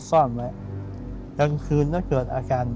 ตอนกลิ่นครั้งคืนน็เกิดอาการ